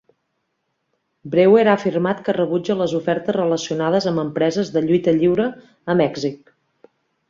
Brewer ha afirmat que rebutja les ofertes relacionades amb empreses de lluita lliure a Mèxic.